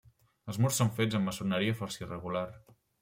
Els murs són fets amb maçoneria força irregular.